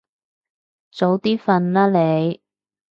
早啲瞓啦你